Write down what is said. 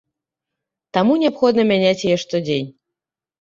Таму неабходна мяняць яе штодзень.